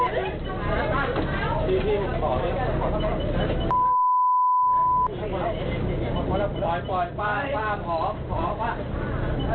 เลนเท่ว่าค่ะ